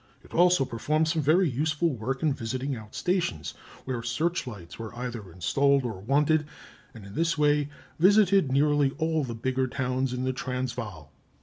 It also performed some very useful work in visiting out stations, where searchlights were either installed or wanted, and in this way visited nearly all the bigger towns in the Transvaal.